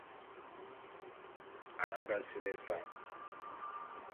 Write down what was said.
Anag sili ésa.